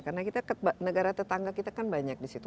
karena kita negara tetangga kita kan banyak di situ